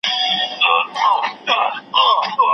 د زړه صبر او اجرونه غواړم